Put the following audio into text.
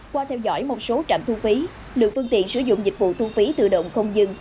qua theo dõi một số trạm thu phí lượng phương tiện sử dụng dịch vụ thu phí tự động không dừng